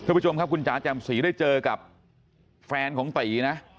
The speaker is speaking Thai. คุณผู้ชมครับคุณจ๋าแจ่มสีได้เจอกับแฟนของตีนะ